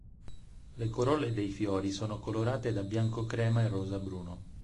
Le corolle dei fiori sono colorate da bianco-crema a rosa-bruno.